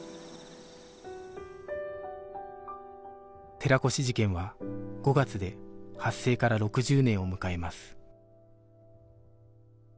寺越事件は５月で発生から６０年を迎えます